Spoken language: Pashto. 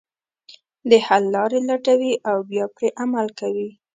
د حل لارې لټوي او بیا پرې عمل کوي.